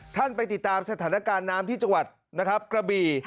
ไปติดตามสถานการณ์น้ำที่จังหวัดนะครับกระบี่